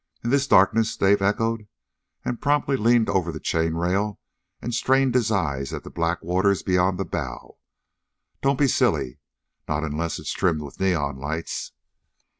"In this darkness?" Dave echoed, and promptly leaned over the chain rail and strained his eyes at the black water beyond the bow. "Don't be silly. Not unless it's trimmed with neon lights."